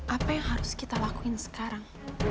apa yang harus kita lakuin sekarang